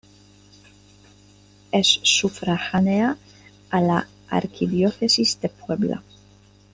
Es sufragánea a la Arquidiócesis de Puebla.